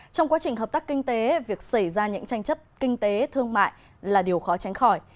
trong quá trình hợp tác kinh tế việc xảy ra những tranh chấp kinh tế thương mại là điều khó tránh khỏi